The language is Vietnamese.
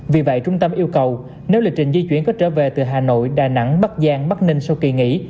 vì vậy trung tâm yêu cầu nếu lịch trình di chuyển có trở về từ hà nội đà nẵng bắc giang bắc ninh sau kỳ nghỉ